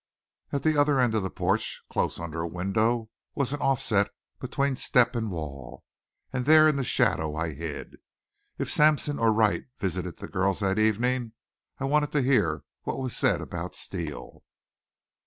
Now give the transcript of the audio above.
At the other end of the porch, close under a window, was an offset between step and wall, and there in the shadow I hid. If Sampson or Wright visited the girls that evening I wanted to hear what was said about Steele.